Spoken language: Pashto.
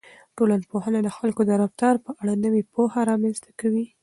ټولنپوهنه د خلکو د رفتار په اړه نوې پوهه رامنځته کوي.